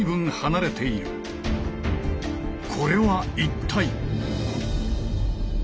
これは一体？